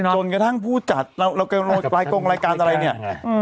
จนกระทั่งผู้จัดเราเรียกว่ารายกรงรายการอะไรเนี้ยอืม